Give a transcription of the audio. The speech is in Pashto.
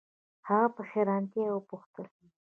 هغې په حیرانتیا وپوښتل